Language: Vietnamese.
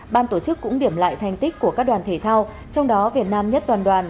ban tổ chức cũng điểm lại thành tích của các đoàn thể thao trong đó việt nam nhất toàn đoàn